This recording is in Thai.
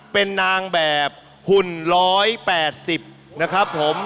เป็นนางแบบหุ่น๑๘๐นะครับผม